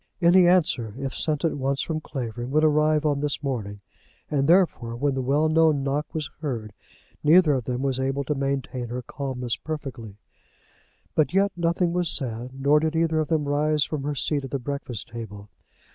Any answer, if sent at once from Clavering, would arrive on this morning; and therefore, when the well known knock was heard, neither of them was able to maintain her calmness perfectly. But yet nothing was said, nor did either of them rise from her seat at the breakfast table.